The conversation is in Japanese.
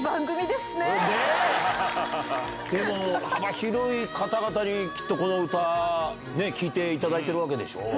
でも、幅広い方々に、きっとこの歌、ねぇ、聴いていただいているわけでしょう。